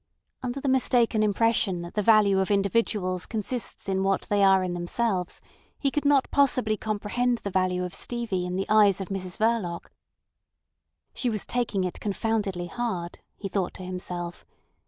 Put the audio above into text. Under the mistaken impression that the value of individuals consists in what they are in themselves, he could not possibly comprehend the value of Stevie in the eyes of Mrs Verloc. She was taking it confoundedly hard, he thought to himself.